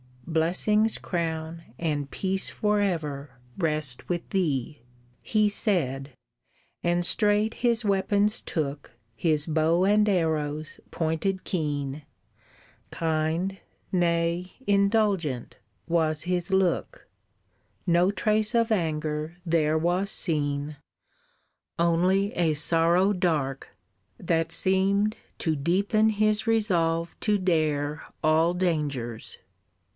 Blessings crown And Peace for ever rest with thee!" He said, and straight his weapons took His bow and arrows pointed keen, Kind, nay, indulgent, was his look, No trace of anger there was seen, Only a sorrow dark, that seemed To deepen his resolve to dare All dangers.